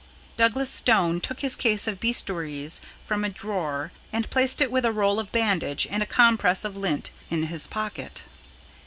Douglas Stone took his case of bistouries from a drawer, and placed it with a roll of bandage and a compress of lint in his pocket.